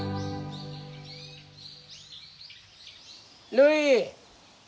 るい！